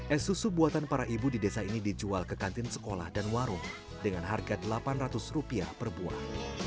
es susu buatan para ibu di desa ini dijual ke kantin sekolah dan warung dengan harga rp delapan ratus per buah